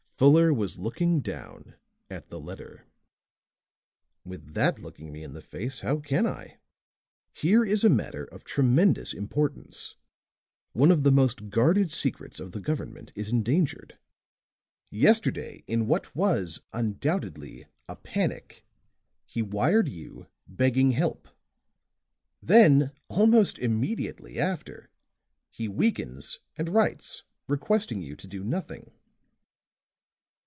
Fuller was looking down at the letter. "With that looking me in the face, how can I? Here is a matter of tremendous importance one of the most guarded secrets of the government is endangered. Yesterday, in what was undoubtedly a panic, he wired you, begging help. Then, almost immediately after, he weakens and writes, requesting you to do nothing."